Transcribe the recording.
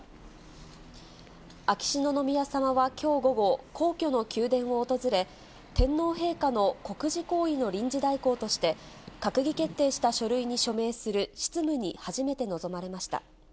秋篠宮さまはきょう午後、皇居の宮殿を訪れ、天皇陛下の国事行為の臨時代行として、閣議決定した書類に署名する執務に初めて臨まれました。